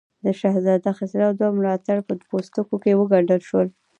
د شهزاده خسرو دوه ملاتړي په پوستکو کې وګنډل شول.